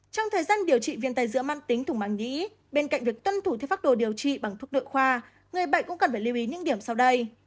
trong thời gian điều trị viên tay giữa mắt tính thủng mảng nghĩ bên cạnh việc tuân thủ thiết pháp đồ điều trị bằng thuốc đội khoa người bệnh cũng cần phải lưu ý những điểm sau đây